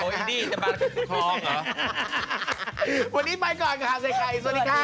สุดท้าย